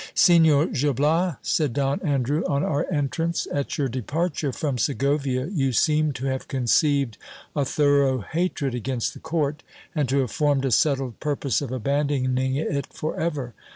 Signor Gil Bias, said Don Andrew on our entrance, at your departure from Segovia you seemed to have conceived a thorough hatred against the court, and to have formed a settled purpose of abandoning it for ever.